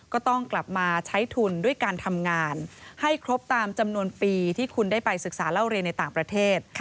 ก็ต้องกลับมาใช้ทุนด้วยการทำงานให้ครบตามจำนวนปีที่คุณได้ไปศึกษาเล่าเรียนในต่างประเทศ